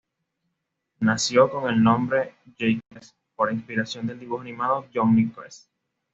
Nació con el nombre J.quest, por inspiración del dibujo animado "Jonny Quest.